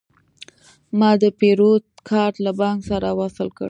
ما د پیرود کارت له بانک سره وصل کړ.